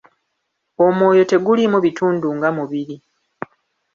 Omwoyo teguliimu bitundu nga mubiri.